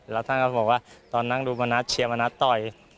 แล้วท่านก็บอกว่าตอนนั่งดูมณัฐเชียร์มณัฐต่อย